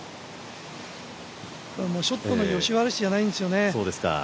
ショットの良し悪しじゃないんですよね。